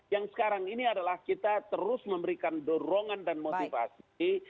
yang sekarang ini adalah kita terus memberikan dorongan dan motivasi